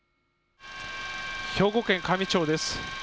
兵庫県香美町です。